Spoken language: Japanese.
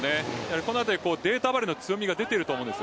このあたり、データバレーの強みが出ていると思うんです。